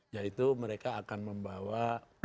yaitu mereka akan membawa